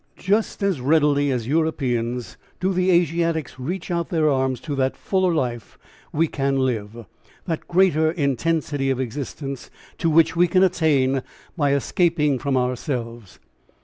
Just as readily as Europeans, do the Asiatics reach out their arms to that fuller life we can live, that greater intensity of existence, to which we can attain by escaping from ourselves.